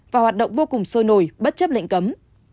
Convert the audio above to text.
và hoạt động vô cùng sôi nổi bất chấp lệnh cấm